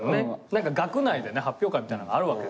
何か学内でね発表会みたいなのがあるわけですよ。